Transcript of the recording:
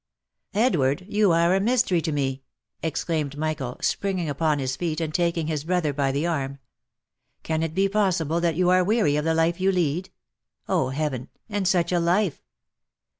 " Edward! you are a mystery to me," exclaimed Michael, spring ing upon his feet, and taking his brother by the arm. " Can it be possible that you are weary of the life you lead ? Oh, heaven ! and such a life